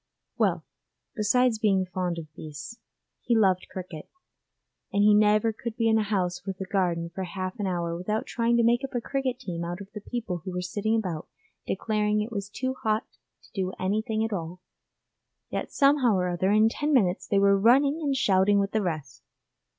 Well, besides being fond of beasts, he loved cricket, and he never could be in a house with a garden for half an hour without trying to make up a cricket team out of the people who were sitting about declaring it was too hot to do anything at all; yet somehow or other, in ten minutes they were running and shouting with the rest.